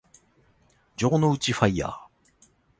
城之内ファイアー